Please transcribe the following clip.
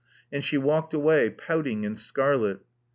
And she walked away, pouting and scarlet.